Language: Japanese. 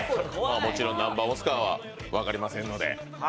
もちろん何番を押すかは分かりませんので。